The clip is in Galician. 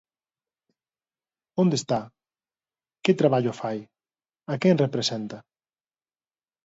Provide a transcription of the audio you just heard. Onde está?, que traballo fai?, a quen representa?